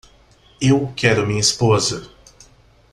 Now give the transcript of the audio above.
Eu quero minha esposa.